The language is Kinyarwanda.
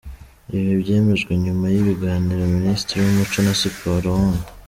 Ibi byemejwe nyuma y’ibiganiro Minisitiri w’ Umuco na Siporo , Hon.